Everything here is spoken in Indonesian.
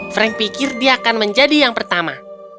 frank pikir dia akan menjadi yang pertama